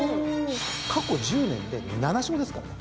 過去１０年で７勝ですからね。